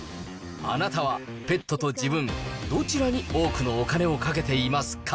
あなたはペットと自分、どちらに多くのお金をかけていますか？